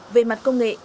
về mặt công nghệ